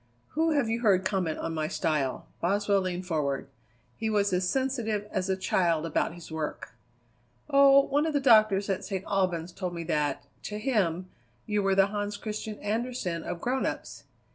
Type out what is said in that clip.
"Who have you heard comment on my style?" Boswell leaned forward. He was as sensitive as a child about his work. "Oh, one of the doctors at St. Albans told me that, to him, you were the Hans Christian Andersen of grown ups.